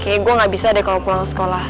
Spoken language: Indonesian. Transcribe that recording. kayaknya gue gak bisa deh kalau pulang sekolah